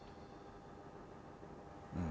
うん。